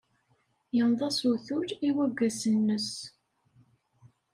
Yenneḍ-as utul i waggas-nnes.